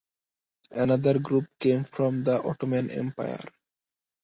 Another group came from the Ottoman Empire.